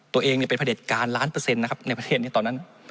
ตัวเองเป็นพระเด็จการล้านเปอร์เซ็นต์นะครับในประเทศนี้ตอนนั้น